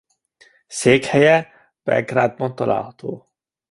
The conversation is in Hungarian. Székhelye Belgrádban található.